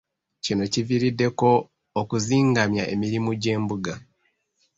Kino kiviiriddeko okuzingamya emirimu gy'embuga.